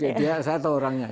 iya dia satu orangnya